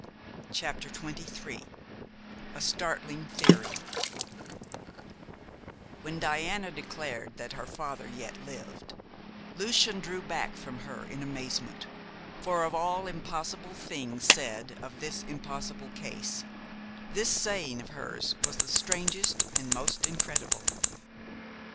CHAPTER XXIII A STARTLING THEORY When Diana declared that her father yet lived, Lucian drew back from her in amazement, for of all impossible things said of this impossible case this saying of hers was the strangest and most incredible.